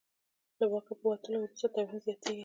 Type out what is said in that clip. له واکه په وتلو وروسته توهین زیاتېږي.